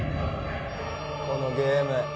このゲーム